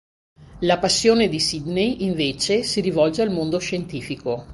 La passione di Sidney, invece, si rivolge al mondo scientifico.